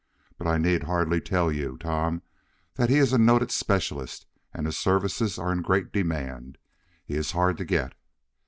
But I need hardly tell you, Tom, that he is a noted specialist, and his services are in great demand. He is hard to get."